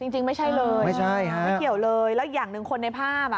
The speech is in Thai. จริงไม่ใช่เลยไม่เกี่ยวเลยแล้วอย่างหนึ่งคนในภาพ